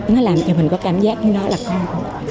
nó làm cho mình có cảm giác như nó là con